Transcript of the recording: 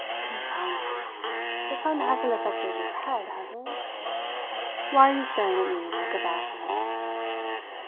"Confound you! The sun hasn't affected your head, has it? Why are you staring at me like a basilisk?"